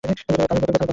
কালুর বুকে ব্যথা বাজল।